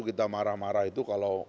kita marah marah itu kalau